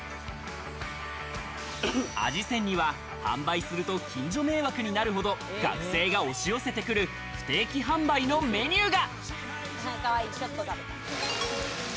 味仙には販売すると近所迷惑になるほど学生が押し寄せてくる不定期販売のメニューが。